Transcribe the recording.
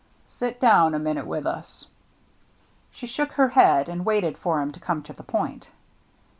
" Sit down a minute with us.'^ She shook her head, and waited for him to come to the point.